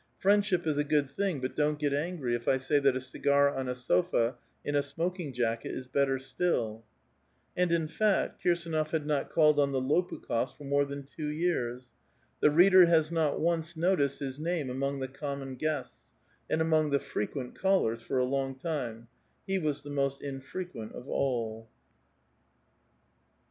Friendship is a ^ood thing ; but don't get angry, if I say that a cigar on a sofa, in a smoking jacket, is better still !" And, in fact, Kirsdnof had not called on the Lopukhofs for more than two years. The reader has not once noticed his name among the common guests, and among the frequent callers for a long time ; he was the most infrequent of all.